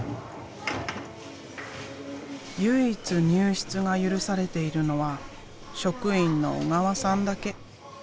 唯一入室が許されているのは職員の小川さんだけ。